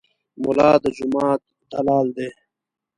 ملا د جومات دلال دی.